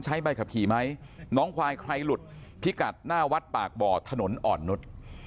ใบขับขี่ไหมน้องควายใครหลุดพิกัดหน้าวัดปากบ่อถนนอ่อนนุษย์